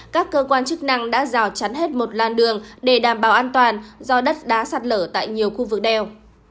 các cơ quan chức năng đã rào chắn hết một làn đường để đảm bảo an toàn do đất đá sạt lở tại nhiều khu vực đèo